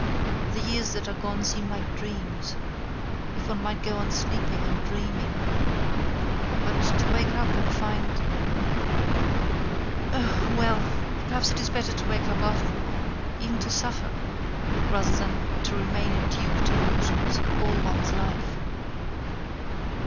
"The years that are gone seem like dreams—if one might go on sleeping and dreaming—but to wake up and find—oh! well! perhaps it is better to wake up after all, even to suffer, rather than to remain a dupe to illusions all one's life."